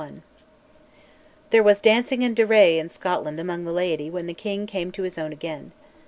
There was "dancing and derray" in Scotland among the laity when the king came to his own again.